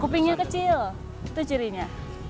kupingnya kecil itu cirinya